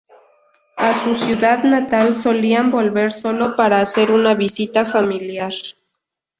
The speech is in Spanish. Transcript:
A su ciudad natal solían volver solo para hacer una visita familiar.